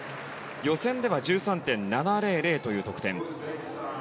予選では１３．７００という得点。